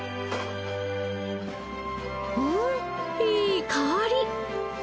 うんいい香り！